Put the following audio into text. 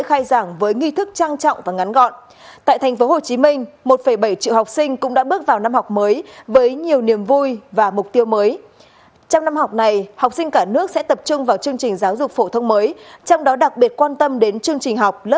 hãy đăng ký kênh để ủng hộ kênh của chúng mình nhé